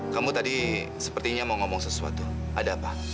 kamu tadi sepertinya mau ngomong sesuatu ada apa